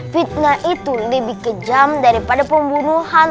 fitnah itu lebih kejam daripada pembunuhan